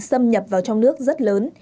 xâm nhập vào trong nước rất lớn